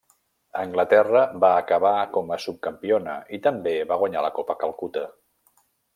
Anglaterra va acabar com a subcampiona, i també va guanyar la Copa Calcuta.